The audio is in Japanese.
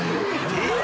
えっ？